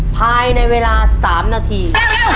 ภายในเวลา๓นาที